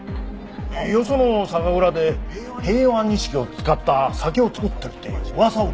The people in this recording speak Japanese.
よその酒蔵で平安錦を使った酒を造ってるっていう噂を聞いてさ。